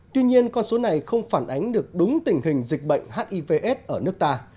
tuy nhiên con số này không phản ánh được đúng tình hình dịch bệnh hiv s ở nước ta